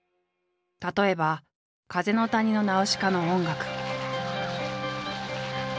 例えば「風の谷のナウシカ」の音楽。